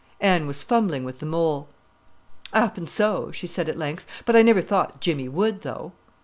Anne was fumbling with the mole. "'Appen so," she said at length; "but I never thought Jimmy would, though."